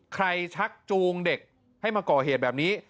ชักจูงเด็กให้มาก่อเหตุแบบนี้